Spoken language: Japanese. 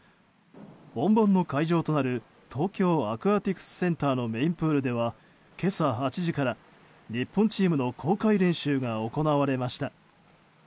本番の会場となる東京アクアティクスセンターのメインプールでは今朝８時から日本チームの公開練習が行われました。